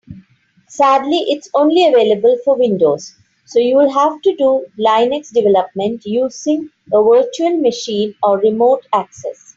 Sadly, it's only available for Windows, so you'll have to do Linux development using a virtual machine or remote access.